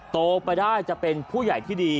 โตไปได้จะเป็นผู้ใหญ่ที่ดี